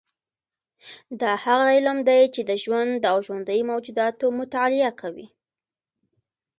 دا هغه علم دی چې د ژوند او ژوندیو موجوداتو مطالعه کوي